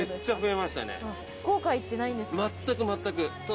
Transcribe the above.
全く全く。